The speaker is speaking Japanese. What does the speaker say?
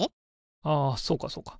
ああそうかそうか。